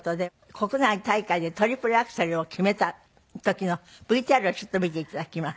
国内大会でトリプルアクセルを決めた時のＶＴＲをちょっと見て頂きます。